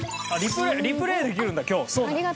リプレイできるんだ今日そうだ。